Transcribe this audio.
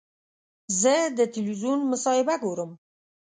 زه د تلویزیون مصاحبه ګورم.